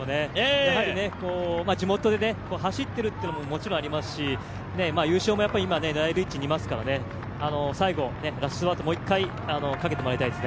やはり地元で走ってるというのももちろんありますし、優勝も今狙える位置にいますからね、最後、ラストスパートをもう一回かけてもらいたいですね。